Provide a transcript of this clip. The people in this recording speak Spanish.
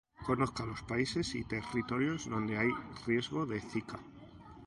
Conozca los países y territorios donde hay riesgo de zika.